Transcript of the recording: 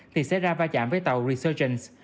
thì sẽ ra va chạm với tàu resurgence